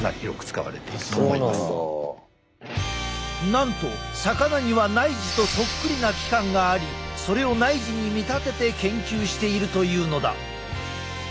なんと魚には内耳とそっくりな器官がありそれを内耳に見立てて研究しているというのだ。